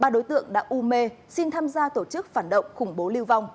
ba đối tượng đã u mê xin tham gia tổ chức phản động khủng bố lưu vong